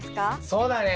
そうだね。